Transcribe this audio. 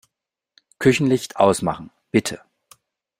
Küchenlicht ausmachen, bitte.